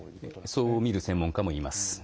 そう見る専門家もいます。